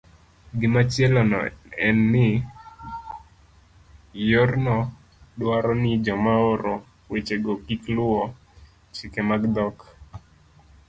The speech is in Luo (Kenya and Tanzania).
Gimachielo en ni, yorno dwaro ni joma oro wechego kik luwo chike mag dhok